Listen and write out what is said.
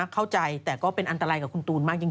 เข้าใจแต่ก็เป็นอันตรายกับคุณตูนมากจริง